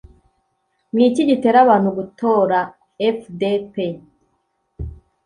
niki gitera abantu gutora fdp